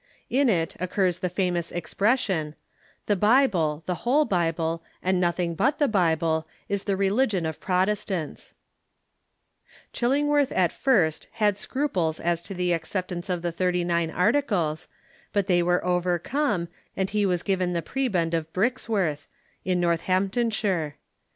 In it occurs the famous expression, "The Bible, the whole Bible, and nothing but the Bible, is the religion of Prot estants," Chillingworth at first had scruples as to the acceptance of the Thirty nine Articles, but they were overcome, and he was given the prebend of Brixworth, in Northamptonshire.